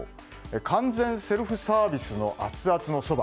完全セルフサービスのアツアツのそば。